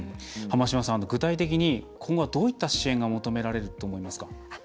具体的に今後はどういったことが求められると思いますか？